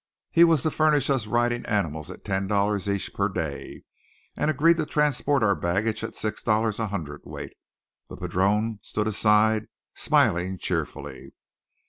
He was to furnish us riding animals at ten dollars each per day; and agreed to transport our baggage at six dollars a hundredweight. The padrone stood aside, smiling cheerfully.